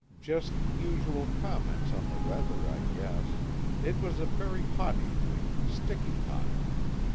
Just usual comments on the weather, I guess it was a very hot evening, sticky hot.